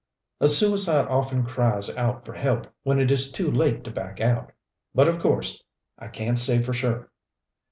"A suicide often cries out for help when it is too late to back out. But of course I can't say for sure."